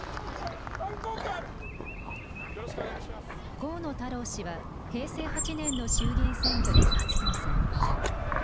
河野太郎氏は平成８年の衆議院選挙で初当選。